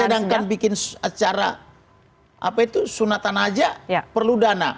sedangkan bikin acara apa itu sunatan aja perlu dana